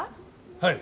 はい。